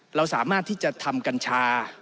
เราสามารถที่จะทำกัญชา